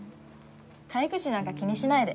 陰口なんか気にしないで。